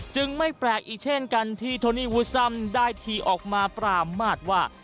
ไม่แปลกอีกเช่นกันที่โทนี่วูซัมได้ทีออกมาปรามาทว่า